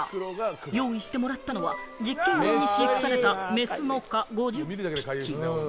用意してもらったのは、実験用に飼育されたメスの蚊、５０匹。